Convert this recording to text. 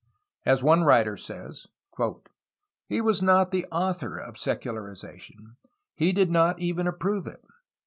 As one writer says: "He was not the author of secularization; he did not even ap prove it.